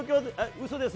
うそです、